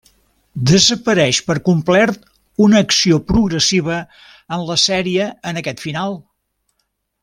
Desapareix per complet una acció progressiva en la sèrie en aquest final.